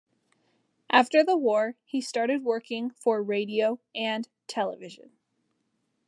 After the war, he started working for radio and television.